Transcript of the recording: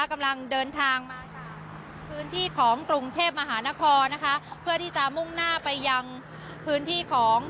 กำลังเดินทางมาจากพื้นที่ของกรุงเทพมหานครนะคะเพื่อที่จะมุ่งหน้าไปยังพื้นที่ของ